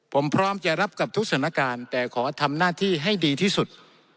ผมพร้อมจะรับกับทุกสถานการณ์แต่ขอทำหน้าที่ให้ดีที่สุด